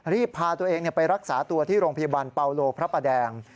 รีบพาตัวเองไปรักษาตัวที่โรงพยาบาลเปาโลพระประแดง